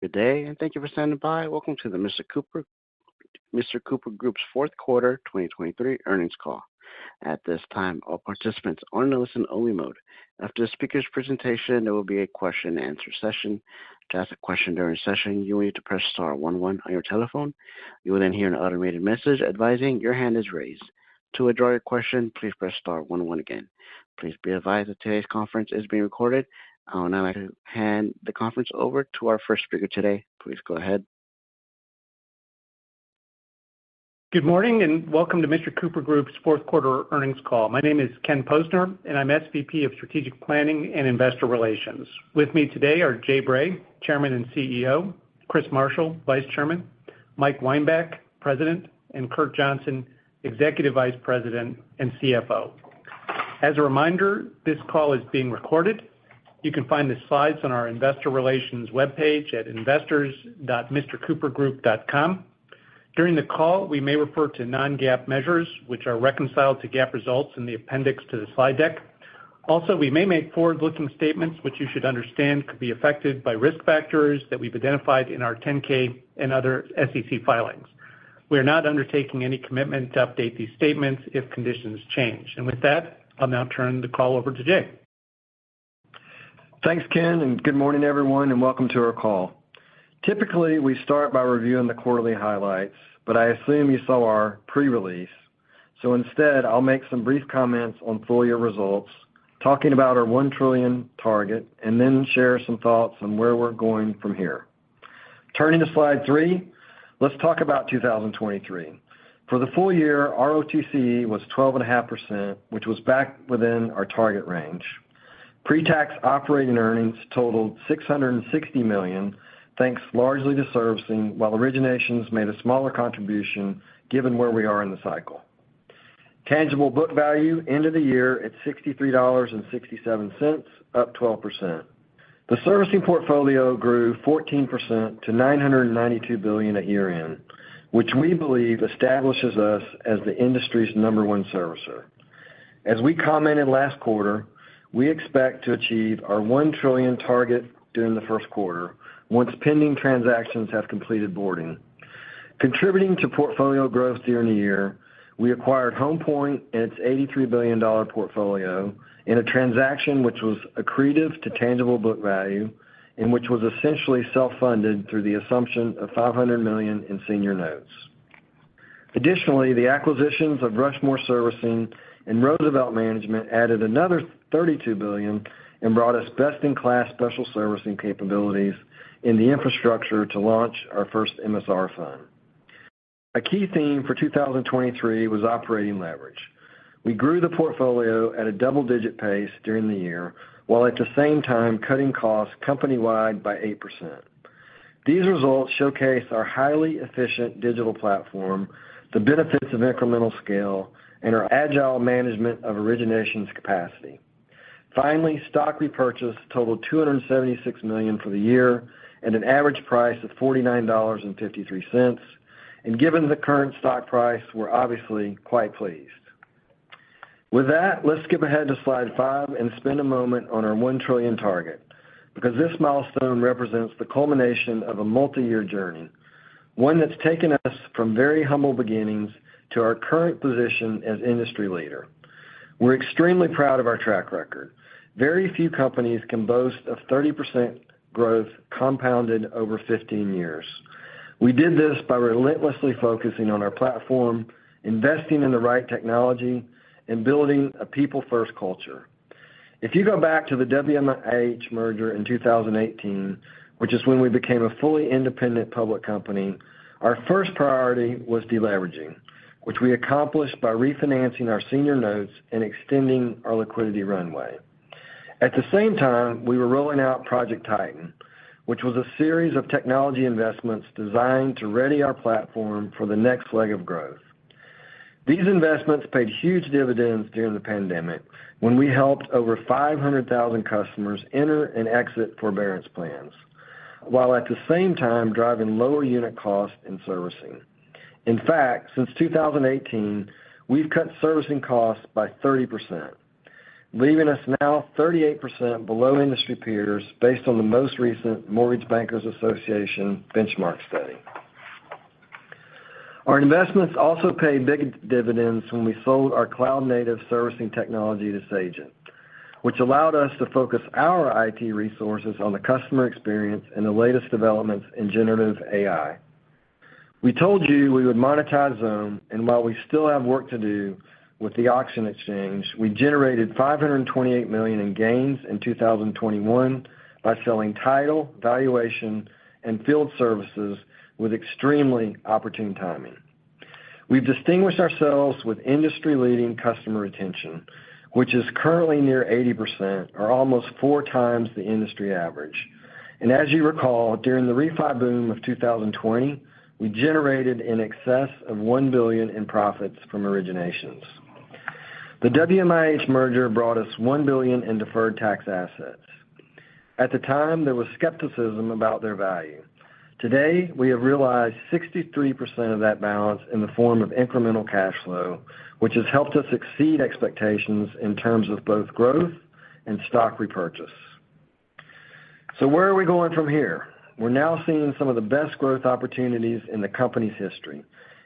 Good day, and thank you for standing by. Welcome to the Mr. Cooper Group's fourth quarter 2023 earnings call. At this time, all participants are in a listen-only mode. After the speaker's presentation, there will be a question-and-answer session. To ask a question during the session, you will need to press star one one on your telephone. You will then hear an automated message advising your hand is raised. To withdraw your question, please press star one one again. Please be advised that today's conference is being recorded. I will now like to hand the conference over to our first speaker today. Please go ahead. Good morning, and welcome to Mr. Cooper Group's fourth quarter earnings call. My name is Ken Posner, and I'm SVP of Strategic Planning and Investor Relations. With me today are Jay Bray, Chairman and CEO; Chris Marshall, Vice Chairman; Mike Weinbach, President; and Kurt Johnson, Executive Vice President and CFO. As a reminder, this call is being recorded. You can find the slides on our investor relations webpage at investors.mrcoopergroup.com. During the call, we may refer to non-GAAP measures, which are reconciled to GAAP results in the appendix to the slide deck. Also, we may make forward-looking statements, which you should understand could be affected by risk factors that we've identified in our 10-K and other SEC filings. We are not undertaking any commitment to update these statements if conditions change. And with that, I'll now turn the call over to Jay. Thanks, Ken, and good morning, everyone, and welcome to our call. Typically, we start by reviewing the quarterly highlights, but I assume you saw our pre-release. So instead, I'll make some brief comments on full year results, talking about our $1 trillion target, and then share some thoughts on where we're going from here. Turning to Slide 3, let's talk about 2023. For the full year, ROTCE was 12.5%, which was back within our target range. Pre-tax operating earnings totaled $660 million, thanks largely to servicing, while originations made a smaller contribution, given where we are in the cycle. Tangible book value, end of the year at $63.67, up 12%. The servicing portfolio grew 14% to $992 billion at year-end, which we believe establishes us as the industry's number one servicer. As we commented last quarter, we expect to achieve our $1 trillion target during the first quarter, once pending transactions have completed boarding. Contributing to portfolio growth year-on-year, we acquired Home Point and its $83 billion portfolio in a transaction which was accretive to tangible book value and which was essentially self-funded through the assumption of $500 million in senior notes. Additionally, the acquisitions of Rushmore Servicing and Roosevelt Management added another $32 billion and brought us best-in-class special servicing capabilities in the infrastructure to launch our first MSR fund. A key theme for 2023 was operating leverage. We grew the portfolio at a double-digit pace during the year, while at the same time cutting costs company-wide by 8%. These results showcase our highly efficient digital platform, the benefits of incremental scale, and our agile management of originations capacity. Finally, stock repurchase totaled $276 million for the year at an average price of $49.53. Given the current stock price, we're obviously quite pleased. With that, let's skip ahead to Slide 5 and spend a moment on our $1 trillion target, because this milestone represents the culmination of a multi-year journey, one that's taken us from very humble beginnings to our current position as industry leader. We're extremely proud of our track record. Very few companies can boast of 30% growth compounded over 15 years. We did this by relentlessly focusing on our platform, investing in the right technology, and building a people-first culture. If you go back to the WMIH merger in 2018, which is when we became a fully independent public company, our first priority was deleveraging, which we accomplished by refinancing our senior notes and extending our liquidity runway. At the same time, we were rolling out Project Titan, which was a series of technology investments designed to ready our platform for the next leg of growth. These investments paid huge dividends during the pandemic, when we helped over 500,000 customers enter and exit forbearance plans, while at the same time driving lower unit costs in servicing. In fact, since 2018, we've cut servicing costs by 30%, leaving us now 38% below industry peers, based on the most recent Mortgage Bankers Association Benchmark Study. Our investments also paid big dividends when we sold our cloud-native servicing technology to Sagent, which allowed us to focus our IT resources on the customer experience and the latest developments in generative AI. We told you we would monetize Xome, and while we still have work to do with the auction exchange, we generated $528 million in gains in 2021 by selling title, valuation, and field services with extremely opportune timing. We've distinguished ourselves with industry-leading customer retention, which is currently near 80% or almost 4x the industry average. As you recall, during the refi boom of 2020, we generated in excess of $1 billion in profits from originations. The WMIH merger brought us $1 billion in deferred tax assets. At the time, there was skepticism about their value. Today, we have realized 63% of that balance in the form of incremental cash flow, which has helped us exceed expectations in terms of both growth and stock repurchase. So where are we going from here? We're now seeing some of the best growth opportunities in the company's history,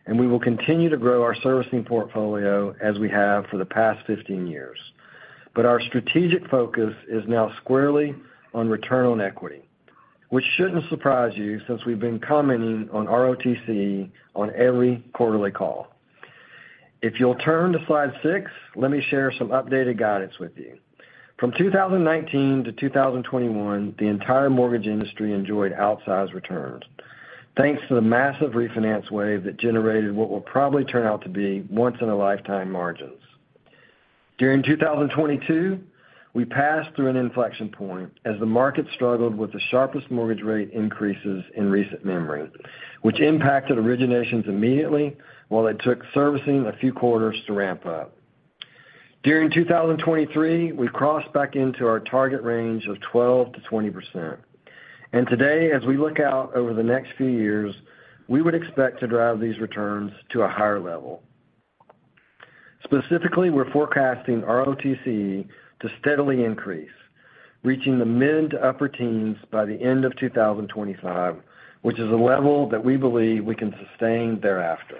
and we will continue to grow our servicing portfolio as we have for the past 15 years. But our strategic focus is now squarely on return on equity, which shouldn't surprise you, since we've been commenting on ROTCE on every quarterly call. If you'll turn to Slide 6, let me share some updated guidance with you. From 2019-2021, the entire mortgage industry enjoyed outsized returns, thanks to the massive refinance wave that generated what will probably turn out to be once-in-a-lifetime margins. During 2022, we passed through an inflection point as the market struggled with the sharpest mortgage rate increases in recent memory, which impacted originations immediately, while it took servicing a few quarters to ramp up. During 2023, we crossed back into our target range of 12%-20%. And today, as we look out over the next few years, we would expect to drive these returns to a higher level. Specifically, we're forecasting ROTCE to steadily increase, reaching the mid- to upper teens by the end of 2025, which is a level that we believe we can sustain thereafter.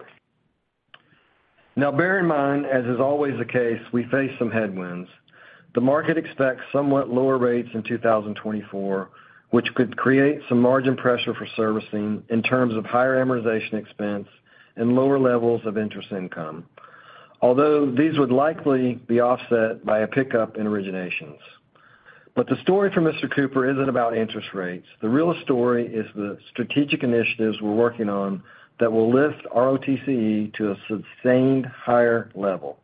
Now, bear in mind, as is always the case, we face some headwinds. The market expects somewhat lower rates in 2024, which could create some margin pressure for servicing in terms of higher amortization expense and lower levels of interest income, although these would likely be offset by a pickup in originations. But the story for Mr. Cooper isn't about interest rates. The real story is the strategic initiatives we're working on that will lift ROTCE to a sustained higher level.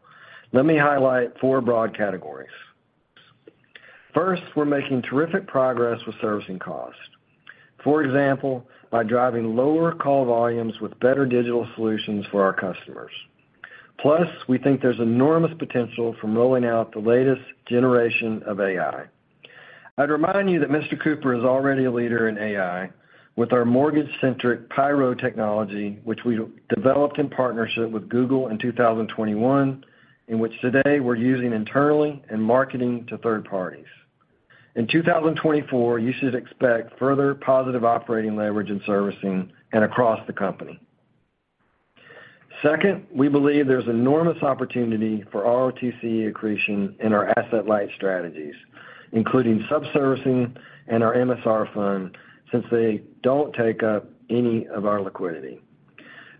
Let me highlight four broad categories. First, we're making terrific progress with servicing costs. For example, by driving lower call volumes with better digital solutions for our customers. Plus, we think there's enormous potential from rolling out the latest generation of AI. I'd remind you that Mr. Cooper is already a leader in AI, with our mortgage-centric Pyro technology, which we developed in partnership with Google in 2021, in which today we're using internally and marketing to third parties. In 2024, you should expect further positive operating leverage in servicing and across the company. Second, we believe there's enormous opportunity for ROTCE accretion in our asset-light strategies, including subservicing and our MSR fund, since they don't take up any of our liquidity.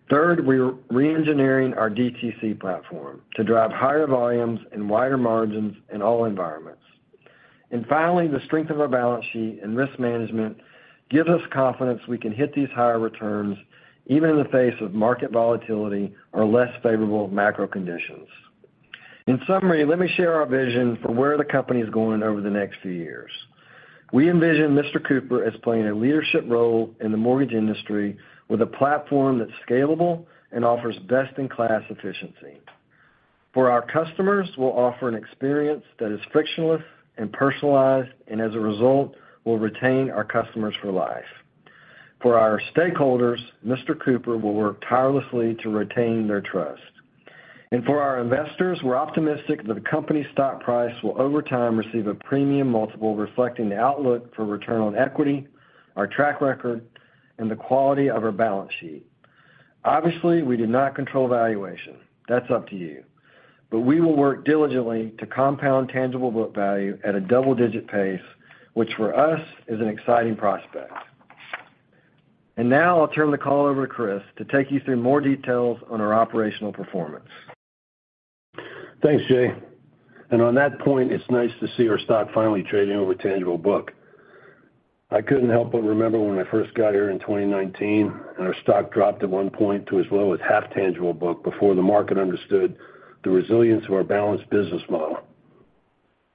Third, we're reengineering our DTC platform to drive higher volumes and wider margins in all environments. And finally, the strength of our balance sheet and risk management gives us confidence we can hit these higher returns, even in the face of market volatility or less favorable macro conditions. In summary, let me share our vision for where the company is going over the next few years. We envision Mr. Cooper as playing a leadership role in the mortgage industry with a platform that's scalable and offers best-in-class efficiency. For our customers, we'll offer an experience that is frictionless and personalized, and as a result, will retain our customers for life. For our stakeholders, Mr. Cooper will work tirelessly to retain their trust. For our investors, we're optimistic that the company's stock price will, over time, receive a premium multiple, reflecting the outlook for return on equity, our track record, and the quality of our balance sheet. Obviously, we do not control valuation. That's up to you. But we will work diligently to compound tangible book value at a double-digit pace, which for us, is an exciting prospect. Now I'll turn the call over to Chris to take you through more details on our operational performance. Thanks, Jay. On that point, it's nice to see our stock finally trading over tangible book. I couldn't help but remember when I first got here in 2019, and our stock dropped at one point to as low as half tangible book, before the market understood the resilience of our balanced business model.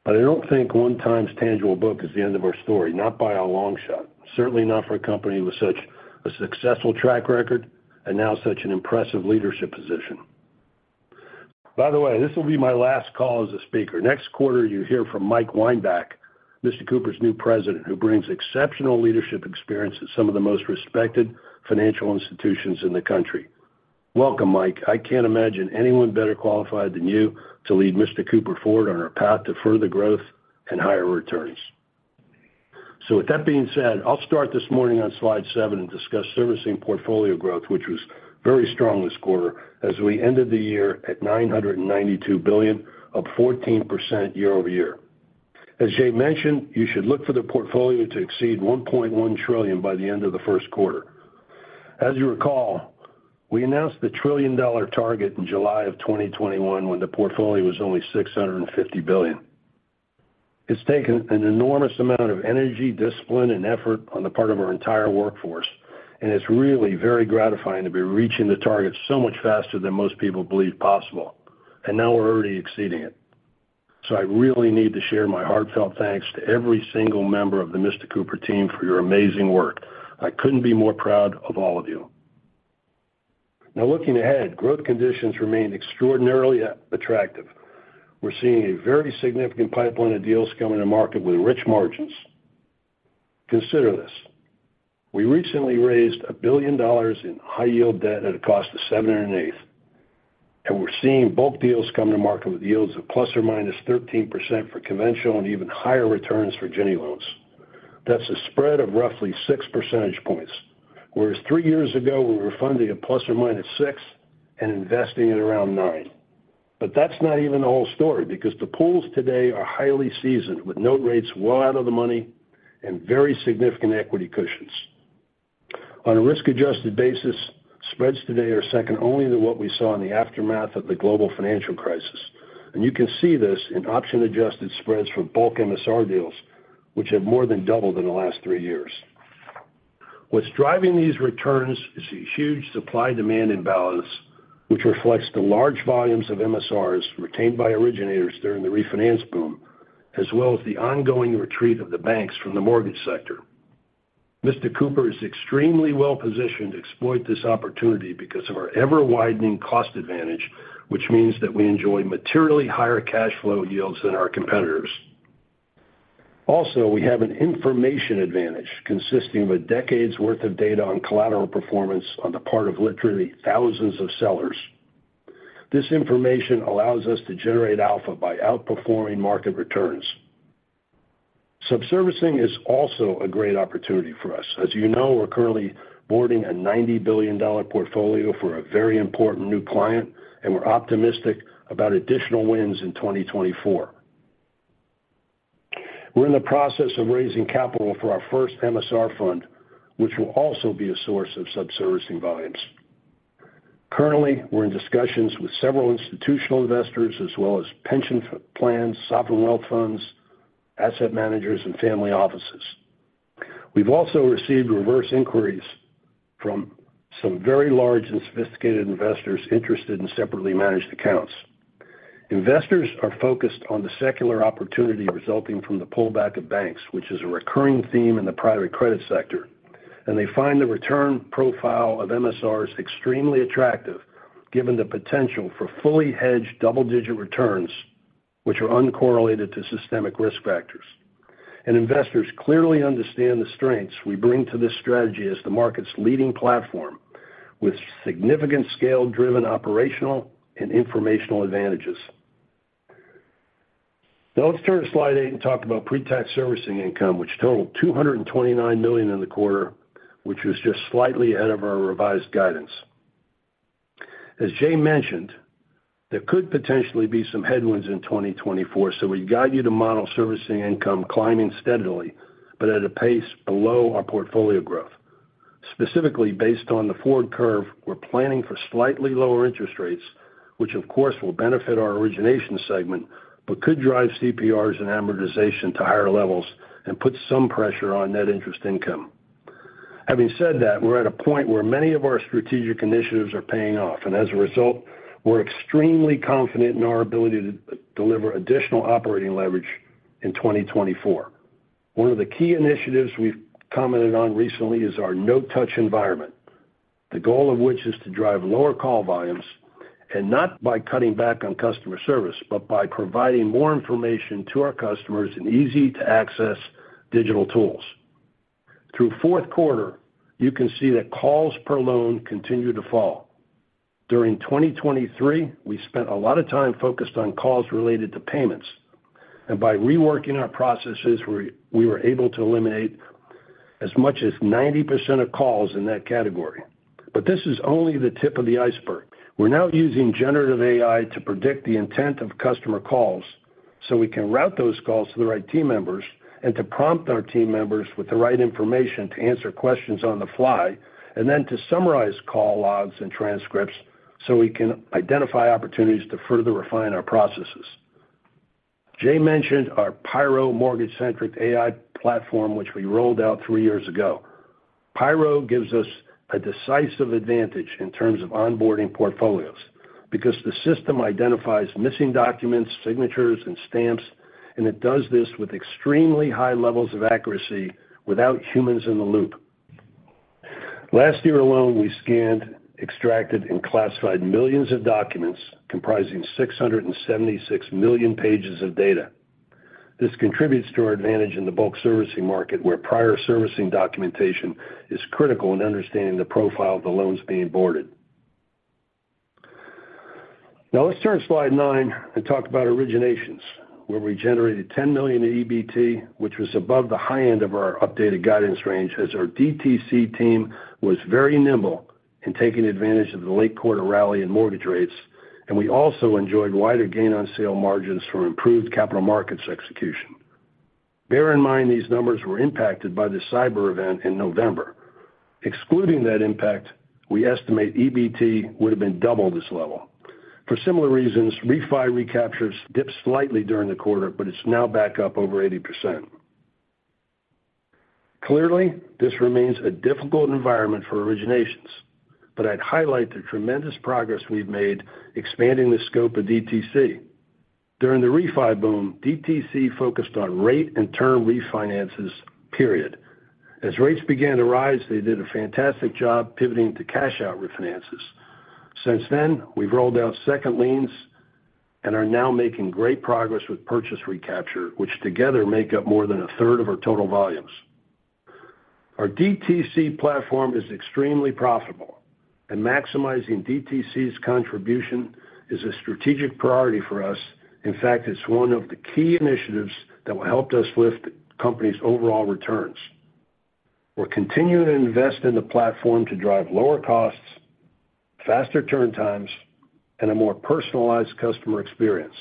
But I don't think 1x tangible book is the end of our story, not by a long shot, certainly not for a company with such a successful track record and now such an impressive leadership position. By the way, this will be my last call as a speaker. Next quarter, you'll hear from Mike Weinbach, Mr. Cooper's new president, who brings exceptional leadership experience at some of the most respected financial institutions in the country. Welcome, Mike. I can't imagine anyone better qualified than you to lead Mr. Cooper forward on our path to further growth and higher returns. With that being said, I'll start this morning on Slide 7 and discuss servicing portfolio growth, which was very strong this quarter, as we ended the year at $992 billion, up 14% year-over-year. As Jay mentioned, you should look for the portfolio to exceed $1.1 trillion by the end of the first quarter. As you recall, we announced the trillion-dollar target in July 2021, when the portfolio was only $650 billion. It's taken an enormous amount of energy, discipline, and effort on the part of our entire workforce, and it's really very gratifying to be reaching the target so much faster than most people believed possible, and now we're already exceeding it. So I really need to share my heartfelt thanks to every single member of the Mr. Cooper team for your amazing work. I couldn't be more proud of all of you. Now, looking ahead, growth conditions remain extraordinarily attractive. We're seeing a very significant pipeline of deals come in the market with rich margins. Consider this, we recently raised $1 billion in high-yield debt at a cost of 7/8, and we're seeing bulk deals come to market with yields of ±13% for conventional and even higher returns for Ginnie loans. That's a spread of roughly 6 percentage points, whereas three years ago, we were funding at ±6% and investing at around 9%. But that's not even the whole story, because the pools today are highly seasoned, with note rates well out of the money and very significant equity cushions. On a risk-adjusted basis, spreads today are second only to what we saw in the aftermath of the global financial crisis, and you can see this in option-adjusted spreads for bulk MSR deals, which have more than doubled in the last three years. What's driving these returns is a huge supply-demand imbalance, which reflects the large volumes of MSRs retained by originators during the refinance boom, as well as the ongoing retreat of the banks from the mortgage sector. Mr. Cooper is extremely well-positioned to exploit this opportunity because of our ever-widening cost advantage, which means that we enjoy materially higher cash flow yields than our competitors. Also, we have an information advantage consisting of a decade's worth of data on collateral performance on the part of literally thousands of sellers. This information allows us to generate alpha by outperforming market returns. Sub-servicing is also a great opportunity for us. As you know, we're currently boarding a $90 billion portfolio for a very important new client, and we're optimistic about additional wins in 2024. We're in the process of raising capital for our first MSR fund, which will also be a source of sub-servicing volumes. Currently, we're in discussions with several institutional investors as well as pension plans, sovereign wealth funds, asset managers, and family offices. We've also received reverse inquiries from some very large and sophisticated investors interested in separately managed accounts. Investors are focused on the secular opportunity resulting from the pullback of banks, which is a recurring theme in the private credit sector, and they find the return profile of MSRs extremely attractive, given the potential for fully hedged double-digit returns, which are uncorrelated to systemic risk factors. Investors clearly understand the strengths we bring to this strategy as the market's leading platform, with significant scale-driven operational and informational advantages. Now let's turn to Slide 8 and talk about pre-tax servicing income, which totaled $229 million in the quarter, which was just slightly ahead of our revised guidance. As Jay mentioned, there could potentially be some headwinds in 2024, so we guide you to model servicing income climbing steadily, but at a pace below our portfolio growth. Specifically, based on the forward curve, we're planning for slightly lower interest rates, which, of course, will benefit our origination segment, but could drive CPRs and amortization to higher levels and put some pressure on net interest income. Having said that, we're at a point where many of our strategic initiatives are paying off, and as a result, we're extremely confident in our ability to deliver additional operating leverage in 2024. One of the key initiatives we've commented on recently is our no-touch environment, the goal of which is to drive lower call volumes, and not by cutting back on customer service, but by providing more information to our customers in easy-to-access digital tools. Through fourth quarter, you can see that calls per loan continue to fall. During 2023, we spent a lot of time focused on calls related to payments, and by reworking our processes, we were able to eliminate as much as 90% of calls in that category. But this is only the tip of the iceberg. We're now using generative AI to predict the intent of customer calls, so we can route those calls to the right team members and to prompt our team members with the right information to answer questions on the fly, and then to summarize call logs and transcripts, so we can identify opportunities to further refine our processes. Jay mentioned our Pyro mortgage-centric AI platform, which we rolled out three years ago. Pyro gives us a decisive advantage in terms of onboarding portfolios, because the system identifies missing documents, signatures, and stamps, and it does this with extremely high levels of accuracy without humans in the loop. Last year alone, we scanned, extracted, and classified millions of documents comprising 676 million pages of data. This contributes to our advantage in the bulk servicing market, where prior servicing documentation is critical in understanding the profile of the loans being boarded. Now let's turn to Slide 9 and talk about originations, where we generated $10 million in EBT, which was above the high end of our updated guidance range, as our DTC team was very nimble in taking advantage of the late quarter rally in mortgage rates, and we also enjoyed wider gain on sale margins from improved capital markets execution. Bear in mind, these numbers were impacted by the cyber event in November. Excluding that impact, we estimate EBT would have been double this level. For similar reasons, refi recaptures dipped slightly during the quarter, but it's now back up over 80%. Clearly, this remains a difficult environment for originations, but I'd highlight the tremendous progress we've made expanding the scope of DTC. During the refi boom, DTC focused on rate-and-term refinances, period. As rates began to rise, they did a fantastic job pivoting to cash-out refinances. Since then, we've rolled out second liens, and are now making great progress with purchase recapture, which together make up more than 1/3 of our total volumes. Our DTC platform is extremely profitable, and maximizing DTC's contribution is a strategic priority for us. In fact, it's one of the key initiatives that will help us lift the company's overall returns. We're continuing to invest in the platform to drive lower costs, faster turn times, and a more personalized customer experience.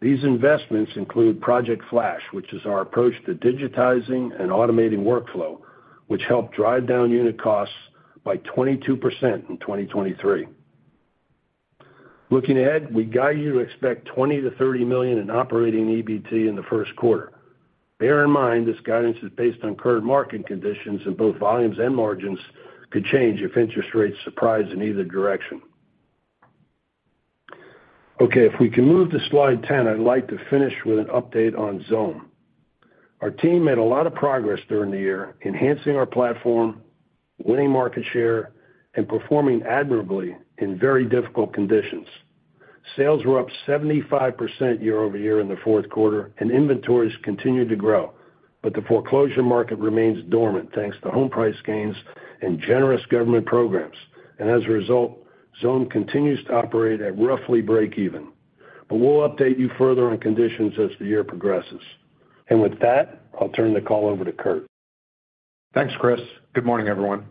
These investments include Project Flash, which is our approach to digitizing and automating workflow, which helped drive down unit costs by 22% in 2023. Looking ahead, we guide you to expect $20 million-$30 million in operating EBT in the first quarter. Bear in mind, this guidance is based on current market conditions, and both volumes and margins could change if interest rates surprise in either direction. Okay, if we can move to Slide 10, I'd like to finish with an update on Xome. Our team made a lot of progress during the year, enhancing our platform, winning market share, and performing admirably in very difficult conditions. Sales were up 75% year-over-year in the fourth quarter, and inventories continued to grow, but the foreclosure market remains dormant, thanks to home price gains and generous government programs. And as a result, Xome continues to operate at roughly break even. But we'll update you further on conditions as the year progresses. And with that, I'll turn the call over to Kurt. Thanks, Chris. Good morning, everyone.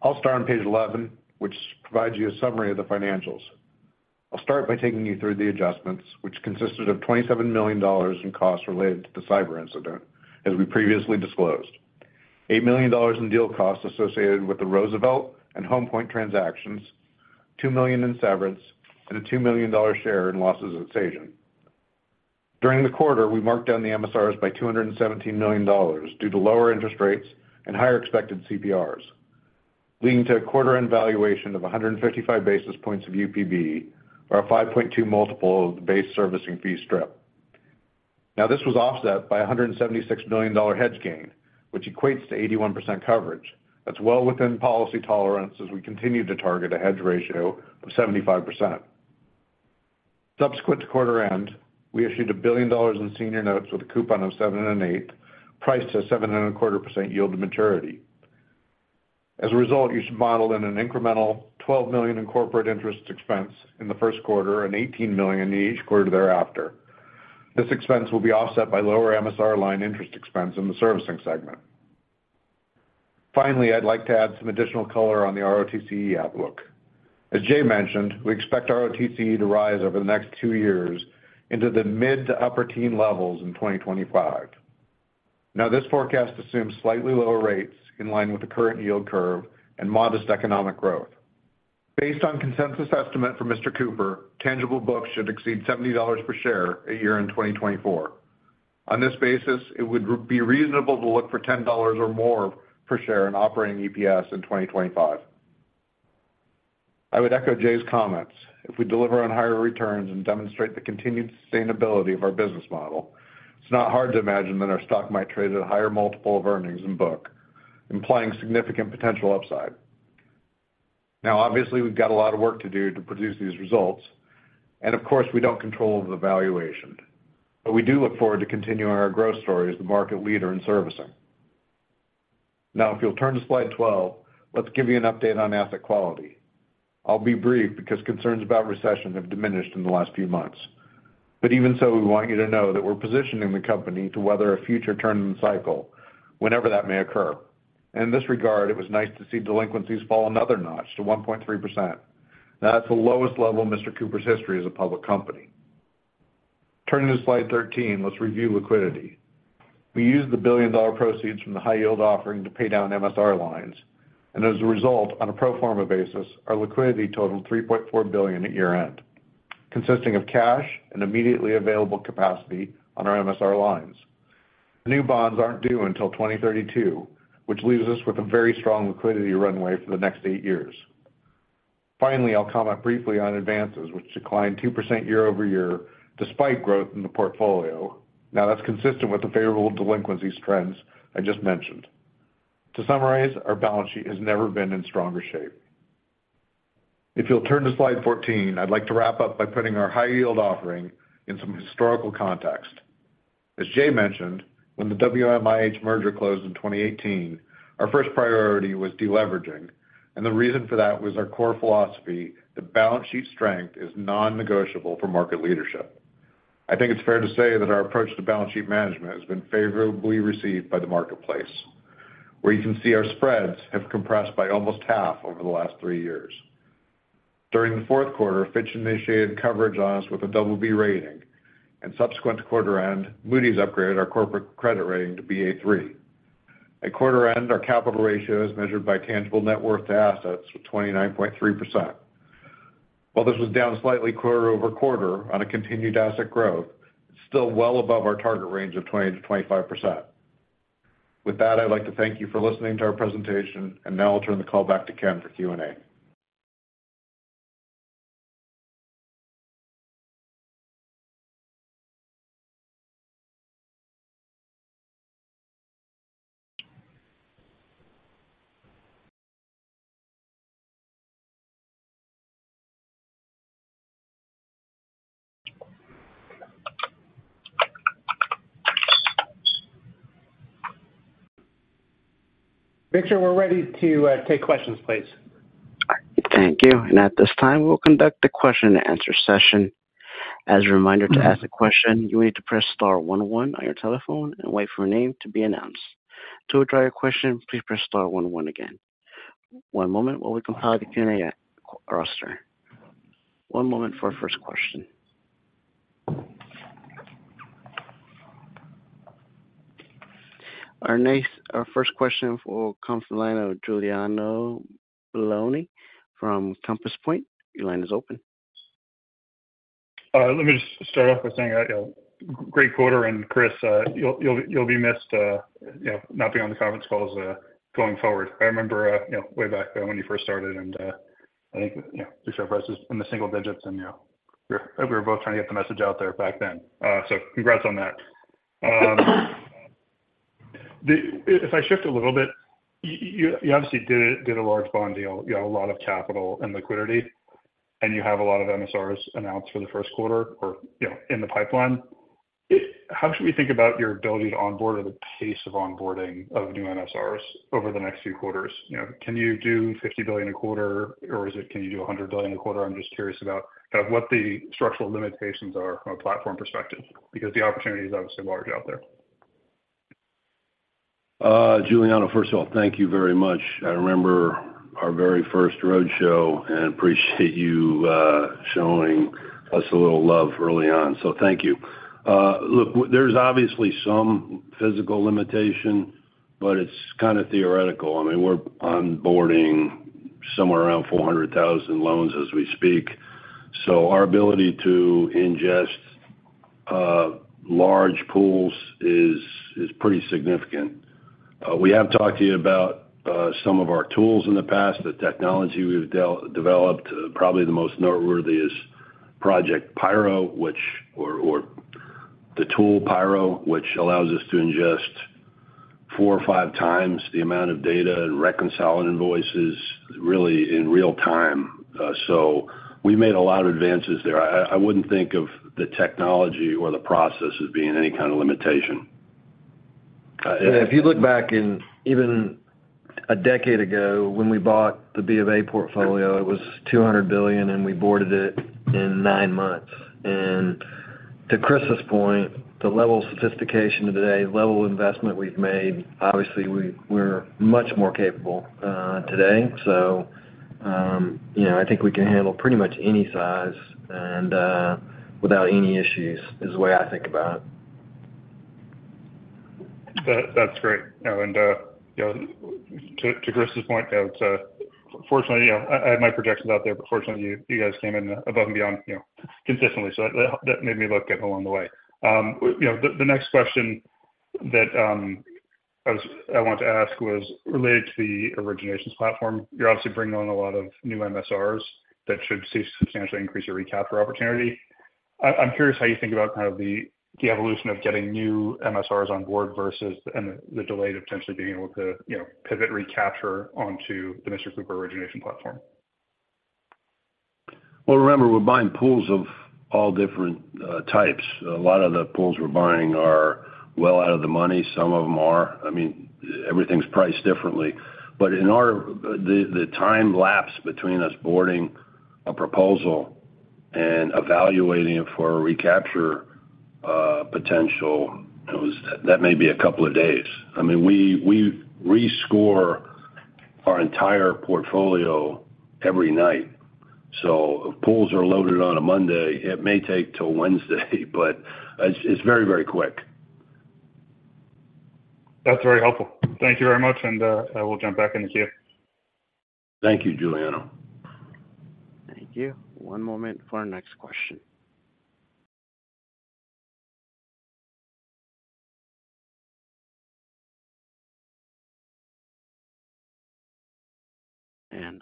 I'll start on page 11, which provides you a summary of the financials. I'll start by taking you through the adjustments, which consisted of $27 million in costs related to the cyber incident, as we previously disclosed. $8 million in deal costs associated with the Roosevelt and Homepoint transactions, $2 million in severance, and a $2 million share in losses at Sagent. During the quarter, we marked down the MSRs by $217 million due to lower interest rates and higher expected CPRs, leading to a quarter-end valuation of 155 basis points of UPB, or a 5.2x multiple of the base servicing fee strip. Now, this was offset by a $176 million hedge gain, which equates to 81% coverage. That's well within policy tolerance as we continue to target a hedge ratio of 75%. Subsequent to quarter end, we issued $1 billion in senior notes with a coupon of 7.875, priced at 7.25% yield to maturity. As a result, you should model in an incremental $12 million in corporate interest expense in the first quarter and $18 million in each quarter thereafter. This expense will be offset by lower MSR line interest expense in the servicing segment. Finally, I'd like to add some additional color on the ROTCE outlook. As Jay mentioned, we expect ROTCE to rise over the next two years into the mid- to upper-teen levels in 2025. Now, this forecast assumes slightly lower rates in line with the current yield curve and modest economic growth. Based on consensus estimate from Mr. Cooper tangible book should exceed $70 per share in 2024. On this basis, it would be reasonable to look for $10 or more per share in operating EPS in 2025. I would echo Jay's comments. If we deliver on higher returns and demonstrate the continued sustainability of our business model, it's not hard to imagine that our stock might trade at a higher multiple of earnings and book, implying significant potential upside. Now, obviously, we've got a lot of work to do to produce these results, and of course, we don't control the valuation, but we do look forward to continuing our growth story as the market leader in servicing. Now, if you'll turn to Slide 12, let's give you an update on asset quality. I'll be brief because concerns about recession have diminished in the last few months. But even so, we want you to know that we're positioning the company to weather a future turn in the cycle, whenever that may occur. In this regard, it was nice to see delinquencies fall another notch to 1.3%. That's the lowest level in Mr. Cooper's history as a public company. Turning to Slide 13, let's review liquidity. We used the billion-dollar proceeds from the high-yield offering to pay down MSR lines, and as a result, on a pro forma basis, our liquidity totaled $3.4 billion at year-end, consisting of cash and immediately available capacity on our MSR lines. New bonds aren't due until 2032, which leaves us with a very strong liquidity runway for the next eight years. Finally, I'll comment briefly on advances, which declined 2% year-over-year, despite growth in the portfolio. Now, that's consistent with the favorable delinquencies trends I just mentioned. To summarize, our balance sheet has never been in stronger shape. If you'll turn to Slide 14, I'd like to wrap up by putting our high-yield offering in some historical context. As Jay mentioned, when the WMIH merger closed in 2018, our first priority was deleveraging, and the reason for that was our core philosophy that balance sheet strength is non-negotiable for market leadership. I think it's fair to say that our approach to balance sheet management has been favorably received by the marketplace, where you can see our spreads have compressed by almost half over the last three years. During the fourth quarter, Fitch initiated coverage on us with a BB rating, and subsequent to quarter end, Moody's upgraded our corporate credit rating to Ba3. At quarter end, our capital ratio is measured by tangible net worth to assets of 29.3%. While this was down slightly quarter-over-quarter on a continued asset growth, it's still well above our target range of 20%-25%. With that, I'd like to thank you for listening to our presentation, and now I'll turn the call back to Ken for Q&A. Victor, we're ready to take questions, please. Thank you. At this time, we will conduct a question and answer session. As a reminder, to ask a question, you need to press star one one on your telephone and wait for a name to be announced. To withdraw your question, please press star one one again. One moment while we compile the Q&A roster. One moment for our first question. Our next-- our first question will come from the line of Giuliano Bologna from Compass Point. Your line is open. Let me just start off by saying, you know, great quarter, and Chris, you'll be missed, you know, not being on the conference calls going forward. I remember, you know, way back then when you first started, and I think, you know, just our prices in the single digits, and, you know, we were both trying to get the message out there back then. So congrats on that. If I shift a little bit, you obviously did a large bond deal. You have a lot of capital and liquidity, and you have a lot of MSRs announced for the first quarter or, you know, in the pipeline. How should we think about your ability to onboard or the pace of onboarding of new MSRs over the next few quarters? You know, can you do $50 billion a quarter, or is it can you do $100 billion a quarter? I'm just curious about, kind of what the structural limitations are from a platform perspective, because the opportunity is obviously large out there. Giuliano, first of all, thank you very much. I remember our very first road show and appreciate you showing us a little love early on, so thank you. Look, there's obviously some physical limitation, but it's kind of theoretical. I mean, we're onboarding somewhere around 400,000 loans as we speak, so our ability to ingest large pools is pretty significant. We have talked to you about some of our tools in the past, the technology we've developed. Probably the most noteworthy is Project Pyro, which or the tool, Pyro, which allows us to ingest 4x or 5x the amount of data and reconcile invoices really in real time. So we made a lot of advances there. I wouldn't think of the technology or the process as being any kind of limitation. If you look back, even a decade ago, when we bought the B of A portfolio, it was $200 billion, and we boarded it in nine months. To Chris's point, the level of sophistication today, level of investment we've made, obviously, we're much more capable today. So, you know, I think we can handle pretty much any size and without any issues, is the way I think about it. That, that's great. And, you know, to Chris's point, fortunately, you know, I had my projections out there, but fortunately, you guys came in above and beyond, you know, consistently. So that made me look good along the way. You know, the next question that I wanted to ask was related to the originations platform. You're obviously bringing on a lot of new MSRs that should substantially increase your recapture opportunity. I'm curious how you think about kind of the evolution of getting new MSRs on board versus and the delay to potentially being able to, you know, pivot recapture onto the Mr. Cooper origination platform. Well, remember, we're buying pools of all different types. A lot of the pools we're buying are well out of the money. Some of them are, I mean, everything's priced differently. But in our, the time lapse between us boarding a proposal and evaluating it for a recapture potential, that may be a couple of days. I mean, we rescore our entire portfolio every night. So if pools are loaded on a Monday, it may take till Wednesday, but it's very, very quick. That's very helpful. Thank you very much, and I will jump back in the queue. Thank you, Giuliano. Thank you. One moment for our next question.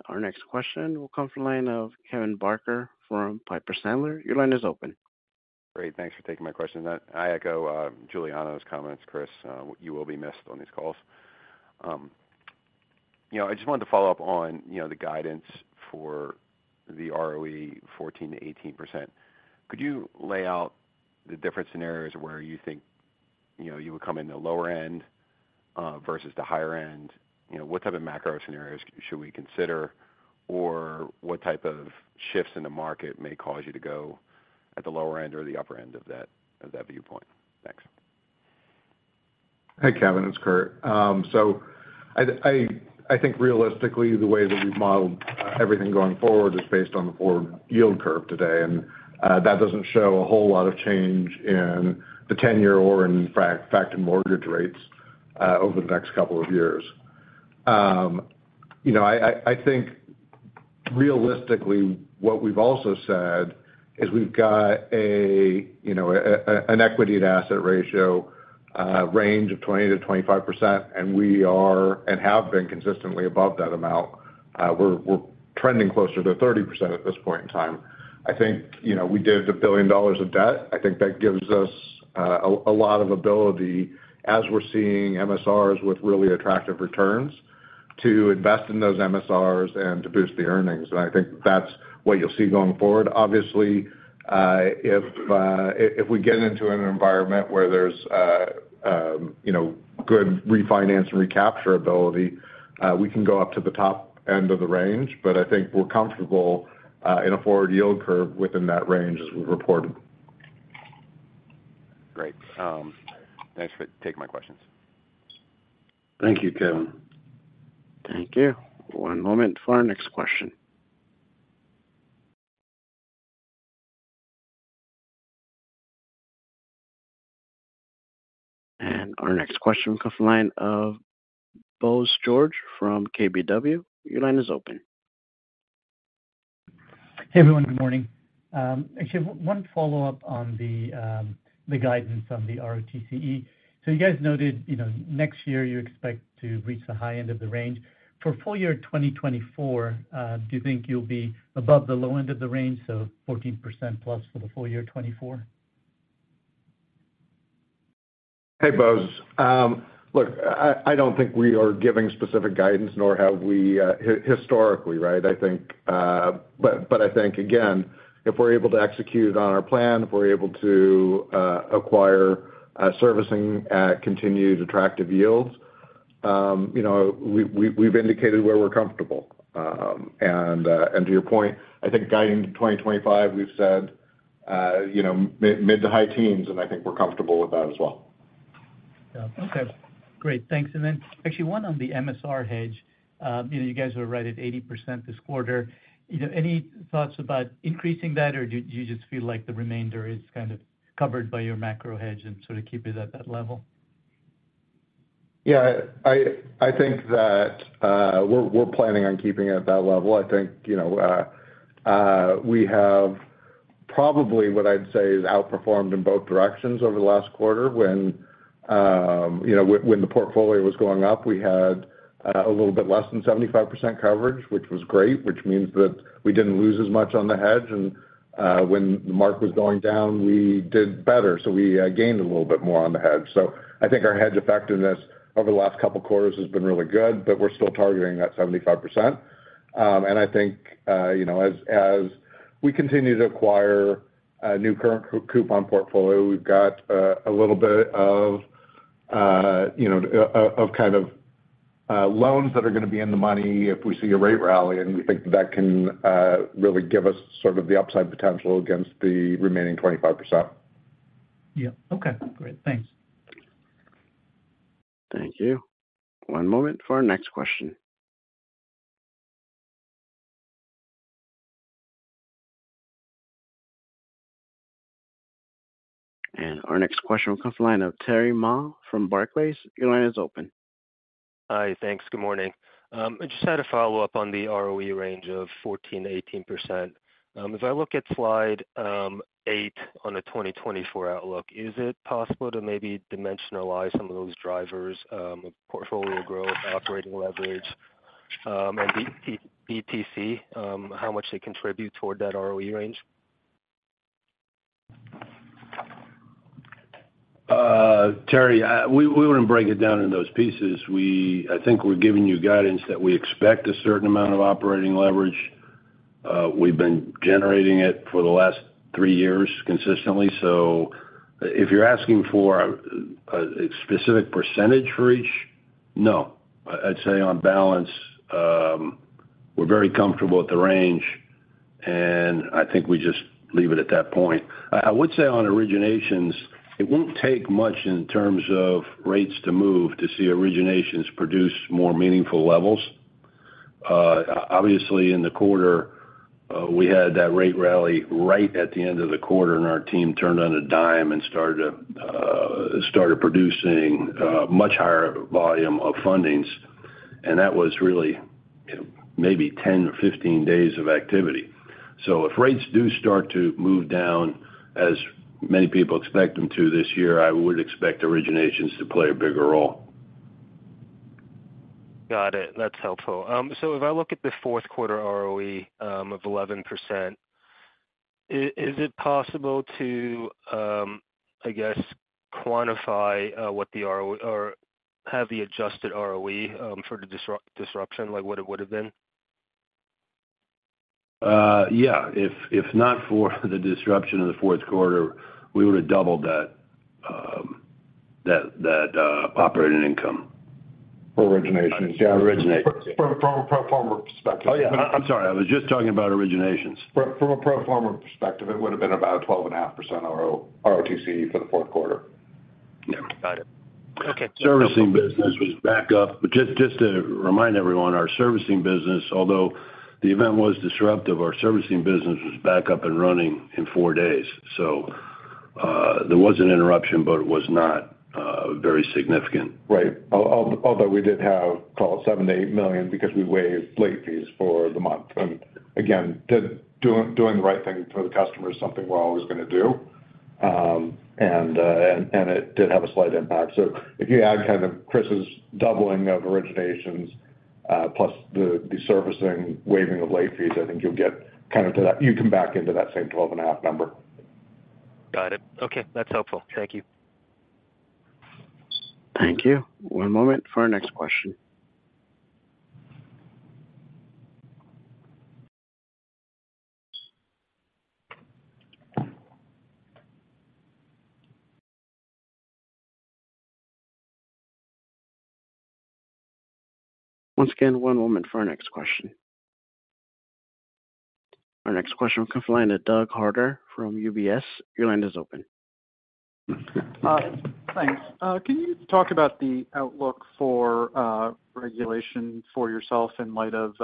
Our next question will come from the line of Kevin Barker from Piper Sandler. Your line is open. Great, thanks for taking my question. I echo Giuliano's comments, Chris, you will be missed on these calls. You know, I just wanted to follow up on, you know, the guidance for the ROE 14%-18%. Could you lay out the different scenarios where you think, you know, you would come in the lower end versus the higher end? You know, what type of macro scenarios should we consider, or what type of shifts in the market may cause you to go at the lower end or the upper end of that viewpoint? Thanks. Hey, Kevin, it's Kurt. So I think realistically, the way that we've modeled everything going forward is based on the forward yield curve today, and that doesn't show a whole lot of change in the 10-year or in factor mortgage rates over the next couple of years. You know, I think realistically, what we've also said is we've got a you know, an equity to asset ratio range of 20%-25%, and we are and have been consistently above that amount. We're trending closer to 30% at this point in time. I think, you know, we did $1 billion of debt. I think that gives us a lot of ability as we're seeing MSRs with really attractive returns, to invest in those MSRs and to boost the earnings. And I think that's what you'll see going forward. Obviously, if we get into an environment where there's, you know, good refinance and recapture ability, we can go up to the top end of the range. But I think we're comfortable in a forward yield curve within that range as we've reported. Great. Thanks for taking my questions. Thank you, Kevin. Thank you. One moment for our next question. Our next question comes from the line of Bose George from KBW. Your line is open. Hey, everyone. Good morning. Actually, one follow-up on the guidance on the ROTCE. So you guys noted, you know, next year, you expect to reach the high end of the range. For full year 2024, do you think you'll be above the low end of the range, so 14%+ for the full year 2024? Hey, Bose. Look, I, I don't think we are giving specific guidance, nor have we historically, right? I think, but, but I think, again, if we're able to execute on our plan, if we're able to acquire servicing at continued attractive yields, you know, we've, we've, we've indicated where we're comfortable. And, and to your point, I think guiding to 2025, we've said, you know, mid- to high-teens, and I think we're comfortable with that as well. Yeah. Okay, great. Thanks. And then actually one on the MSR hedge. You know, you guys were right at 80% this quarter. You know, any thoughts about increasing that, or do you just feel like the remainder is kind of covered by your macro hedge and sort of keep it at that level? Yeah, I think that, we're planning on keeping it at that level. I think, you know, we have probably what I'd say is outperformed in both directions over the last quarter when, you know, when the portfolio was going up, we had a little bit less than 75% coverage, which was great, which means that we didn't lose as much on the hedge. And, when the mark was going down, we did better, so we gained a little bit more on the hedge. So I think our hedge effectiveness over the last couple of quarters has been really good, but we're still targeting that 75%. And I think, you know, as, as we continue to acquire a new current coupon portfolio, we've got, a little bit of, you know, of, of kind of, loans that are going to be in the money if we see a rate rally, and we think that can, really give us sort of the upside potential against the remaining 25%. Yeah. Okay, great. Thanks. Thank you. One moment for our next question. Our next question will come from the line of Terry Ma from Barclays. Your line is open. Hi, thanks. Good morning. I just had a follow-up on the ROE range of 14%-18%. If I look at slide 8 on the 2024 outlook, is it possible to maybe dimensionalize some of those drivers of portfolio growth, operating leverage, and the PTC, how much they contribute toward that ROE range? Terry, we wouldn't break it down into those pieces. We. I think we're giving you guidance that we expect a certain amount of operating leverage. We've been generating it for the last three years consistently. So if you're asking for a specific percentage for each, no. I'd say on balance, we're very comfortable with the range, and I think we just leave it at that point. I would say on originations, it won't take much in terms of rates to move to see originations produce more meaningful levels. Obviously, in the quarter, we had that rate rally right at the end of the quarter, and our team turned on a dime and started producing much higher volume of fundings, and that was really, you know, maybe 10 or 15 days of activity. If rates do start to move down, as many people expect them to this year, I would expect originations to play a bigger role. Got it. That's helpful. So if I look at the fourth quarter ROE of 11%, is it possible to, I guess, quantify what the adjusted ROE for the disruption, like, what it would have been? Yeah. If not for the disruption in the fourth quarter, we would have doubled that operating income. For originations. Yeah, origination. From a pro forma perspective. Oh, yeah. I'm sorry. I was just talking about originations. From a pro forma perspective, it would have been about a 12.5% ROTCE for the fourth quarter. Yeah. Got it. Okay. Servicing business was back up. But just, just to remind everyone, our servicing business, although the event was disruptive, our servicing business was back up and running in four days. So, there was an interruption, but it was not, very significant. Right. Although we did have, call it, $7 million-$8 million, because we waived late fees for the month. And again, doing the right thing for the customer is something we're always going to do. And it did have a slight impact. So if you add kind of Chris's doubling of originations, plus the servicing, waiving of late fees, I think you'll get kind of to that—you come back into that same 12.5 number. Got it. Okay, that's helpful. Thank you. Thank you. One moment for our next question. Once again, one moment for our next question. Our next question comes from the line of Doug Harter from UBS. Your line is open. Thanks. Can you talk about the outlook for regulation for yourself in light of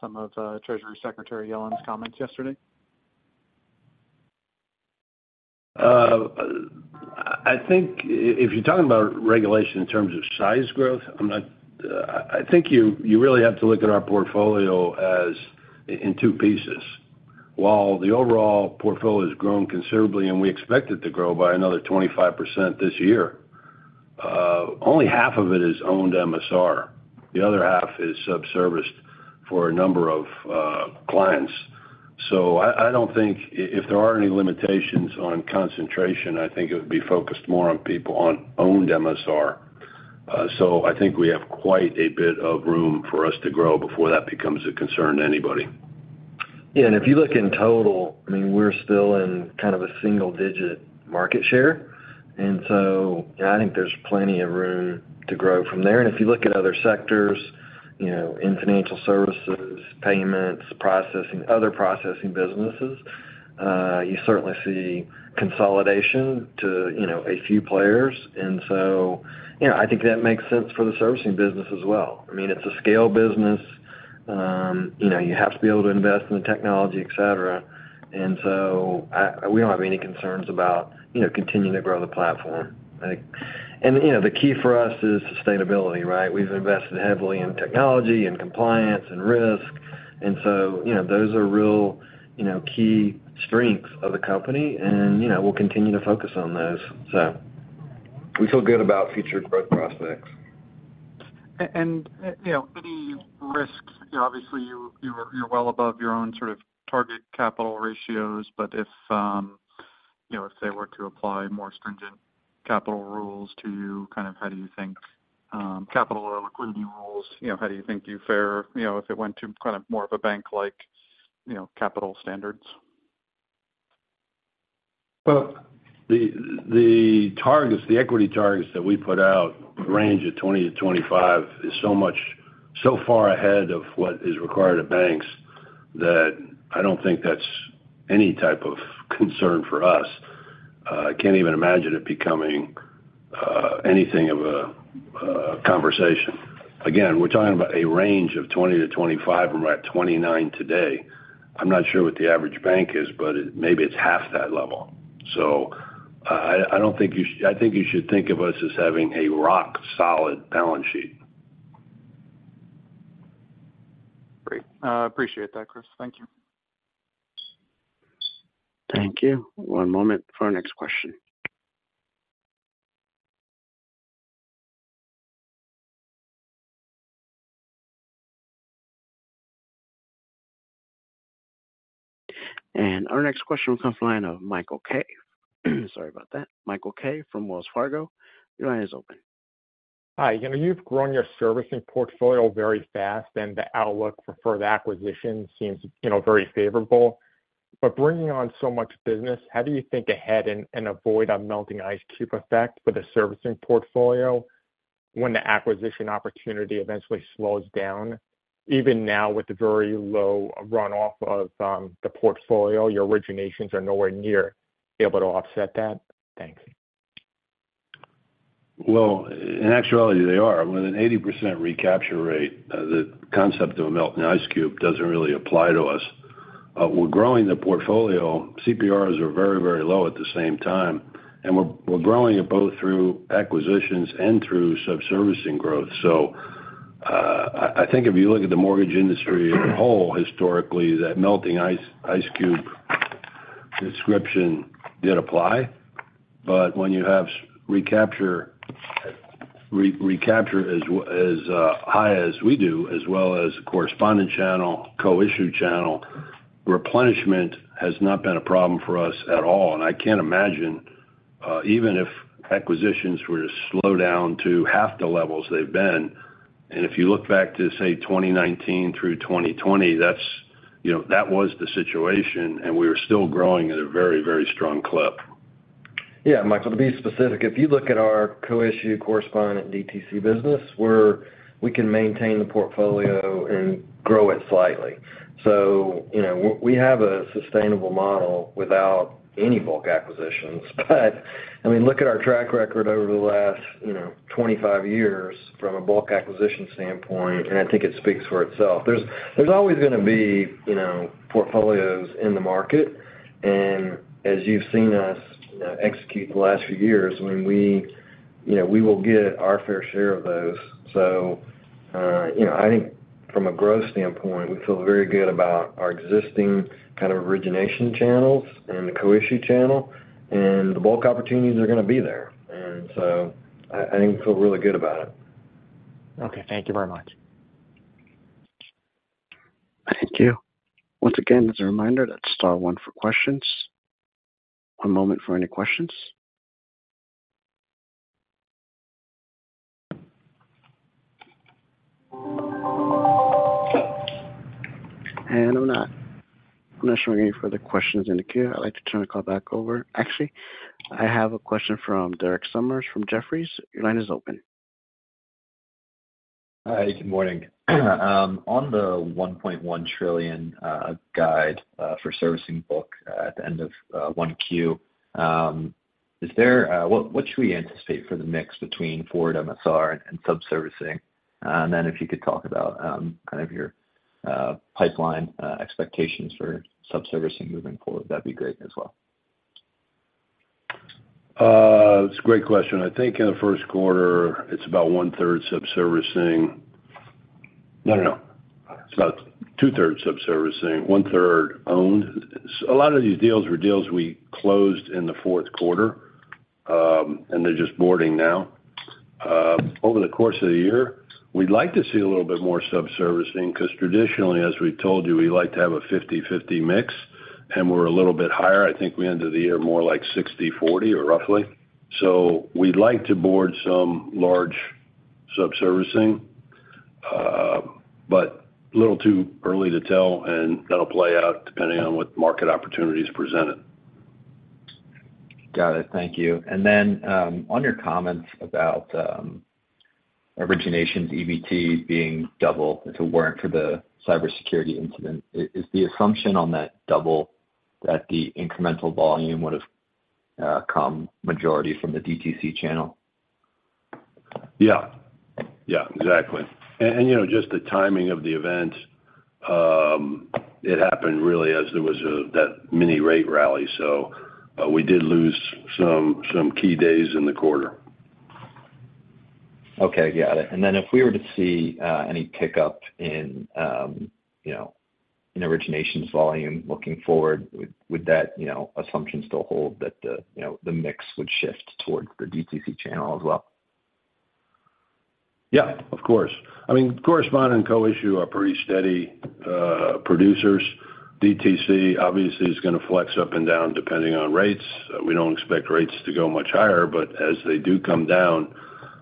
some of Treasury Secretary Yellen's comments yesterday? I think if you're talking about regulation in terms of size growth, I'm not. I think you really have to look at our portfolio as in two pieces. While the overall portfolio has grown considerably, and we expect it to grow by another 25% this year, only half of it is owned MSR. The other half is subserviced for a number of clients. So I don't think if there are any limitations on concentration, I think it would be focused more on people on owned MSR. So I think we have quite a bit of room for us to grow before that becomes a concern to anybody. Yeah, and if you look in total, I mean, we're still in kind of a single digit market share, and so I think there's plenty of room to grow from there. And if you look at other sectors, you know, in financial services, payments, processing, other processing businesses, you certainly see consolidation to, you know, a few players. And so, you know, I think that makes sense for the servicing business as well. I mean, it's a scale business. You know, you have to be able to invest in the technology, etc. And so we don't have any concerns about, you know, continuing to grow the platform. I think... And, you know, the key for us is sustainability, right? We've invested heavily in technology and compliance and risk, and so, you know, those are real, you know, key strengths of the company, and, you know, we'll continue to focus on those. So we feel good about future growth prospects. And, you know, any risks, you know, obviously, you are, you're well above your own sort of target capital ratios, but if, you know, if they were to apply more stringent capital rules to you, kind of how do you think, capital or liquidity rules, you know, how do you think you fare? You know, if it went to kind of more of a bank-like, you know, capital standards. Well, the targets, the equity targets that we put out range of 20-25 is so much, so far ahead of what is required of banks, that I don't think that's any type of concern for us. I can't even imagine it becoming anything of a conversation. Again, we're talking about a range of 20%-25%, and we're at 29% today. I'm not sure what the average bank is, but it maybe it's half that level. So, I don't think you. I think you should think of us as having a rock solid balance sheet. Great. Appreciate that, Chris. Thank you. Thank you. One moment for our next question. Our next question will come from the line of Michael Kaye. Sorry about that. Michael Kaye from Wells Fargo, your line is open. Hi. You know, you've grown your servicing portfolio very fast, and the outlook for further acquisition seems, you know, very favorable. But bringing on so much business, how do you think ahead and, and avoid a melting ice cube effect for the servicing portfolio when the acquisition opportunity eventually slows down? Even now, with the very low runoff of the portfolio, your originations are nowhere near able to offset that. Thanks. Well, in actuality, they are. With an 80% recapture rate, the concept of a melting ice cube doesn't really apply to us. We're growing the portfolio. CPRs are very, very low at the same time, and we're growing it both through acquisitions and through sub-servicing growth. So, I think if you look at the mortgage industry as a whole, historically, that melting ice, ice cube description did apply. But when you have recapture, recapture as high as we do, as well as correspondent channel, co-issue channel, replenishment has not been a problem for us at all. I can't imagine even if acquisitions were to slow down to half the levels they've been, and if you look back to, say, 2019 through 2020, that's, you know, that was the situation, and we were still growing at a very, very strong clip. Yeah, Michael, to be specific, if you look at our co-issue correspondent DTC business, we can maintain the portfolio and grow it slightly. So, you know, we have a sustainable model without any bulk acquisitions. But I mean, look at our track record over the last, you know, 25 years from a bulk acquisition standpoint, and I think it speaks for itself. There's always gonna be, you know, portfolios in the market, and as you've seen us execute the last few years, you know, we will get our fair share of those. So, you know, I think from a growth standpoint, we feel very good about our existing kind of origination channels and the co-issue channel, and the bulk opportunities are going to be there. And so I think we feel really good about it. Okay. Thank you very much. Thank you. Once again, as a reminder, that's star one for questions. One moment for any questions. I'm not, I'm not showing any further questions in the queue. I'd like to turn the call back over. Actually, I have a question from Derek Sommers from Jefferies. Your line is open. Hi, good morning. On the $1.1 trillion guide for servicing book at the end of 1Q, what should we anticipate for the mix between forward MSR and sub-servicing? And then if you could talk about kind of your pipeline expectations for sub-servicing moving forward, that'd be great as well. It's a great question. I think in the first quarter, it's about 1/3 sub-servicing. No, no, it's about 2/3 sub-servicing, 1/3 owned. A lot of these deals were deals we closed in the fourth quarter, and they're just boarding now. Over the course of the year, we'd like to see a little bit more sub-servicing, because traditionally, as we told you, we like to have a 50/50 mix, and we're a little bit higher. I think we ended the year more like 60/40, or roughly. So we'd like to board some large sub-servicing, but a little too early to tell, and that'll play out depending on what market opportunity is presented. Got it. Thank you. And then, on your comments about origination EBT being double, if it weren't for the cybersecurity incident, is the assumption on that double that the incremental volume would have come majority from the DTC channel? Yeah. Yeah, exactly. And, and, you know, just the timing of the event, it happened really as there was, that mini rate rally, so, but we did lose some, some key days in the quarter. Okay, got it. And then if we were to see any pickup in, you know, in origination volume looking forward, would, would that, you know, assumption still hold that the, you know, the mix would shift towards the DTC channel as well? Yeah, of course. I mean, correspondent and co-issue are pretty steady producers. DTC, obviously, is going to flex up and down, depending on rates. We don't expect rates to go much higher, but as they do come down,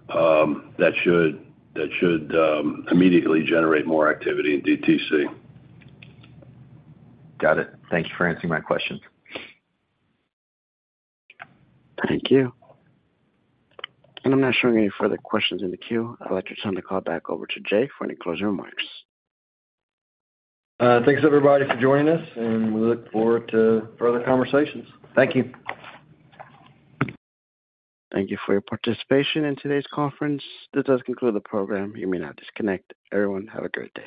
that should immediately generate more activity in DTC. Got it. Thank you for answering my questions. Thank you. I'm not showing any further questions in the queue. I'd like to turn the call back over to Jay for any closing remarks. Thanks, everybody, for joining us, and we look forward to further conversations. Thank you. Thank you for your participation in today's conference. This does conclude the program. You may now disconnect. Everyone, have a great day.